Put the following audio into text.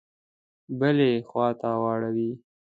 بلي خواته واړوي.